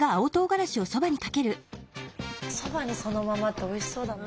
そばにそのままっておいしそうだな。